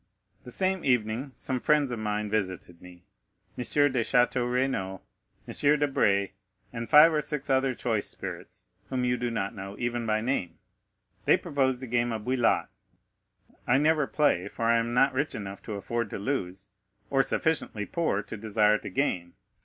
The same evening some friends of mine visited me,—M. de Château Renaud, M. Debray, and five or six other choice spirits, whom you do not know, even by name. They proposed a game of bouillotte. I never play, for I am not rich enough to afford to lose, or sufficiently poor to desire to gain.